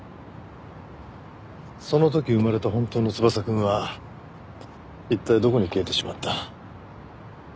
その時生まれた本当の翼くんは一体どこに消えてしまった？